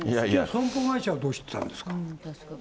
損保会社はどうしてたんですか？